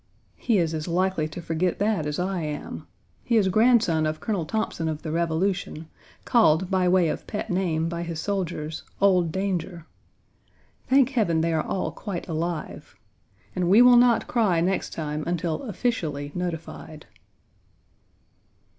He is as likely to forget that as I am. He is grandson of Colonel Thomson of the Revolution, called, by way of pet name, by his soldiers, "Old Danger." Thank Heaven they are all quite alive. And we will not cry next time until officially notified.